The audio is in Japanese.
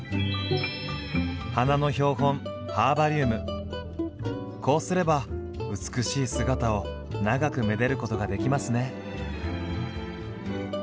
花の標本こうすれば美しい姿を長くめでることができますね。